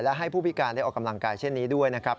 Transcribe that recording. และให้ผู้พิการได้ออกกำลังกายเช่นนี้ด้วยนะครับ